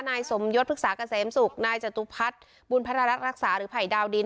นายสมยศพฤกษาเกษมศุกร์นายจตุพัฒน์บุญพระรักษ์รักษาหรือภัยดาวดิน